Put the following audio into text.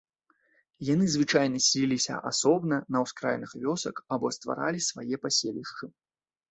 Яны звычайна сяліліся асобна на ўскраінах вёсак або стваралі свае паселішчы.